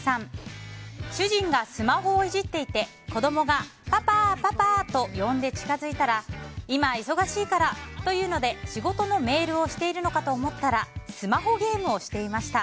主人がスマホをいじっていて子供がパパ、パパ！と呼んで近づいたら今、忙しいからと言うので仕事のメールをしているのかと思ったらスマホゲームをしていました。